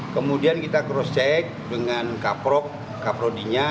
kemudian kita cross check dengan kaprodinya